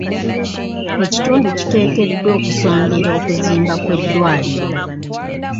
Ekitundu kiteekeddwa okusondera okuzimba kw'eddwaliro.